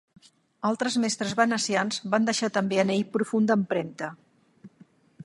Altres mestres venecians van deixar també en ell profunda empremta.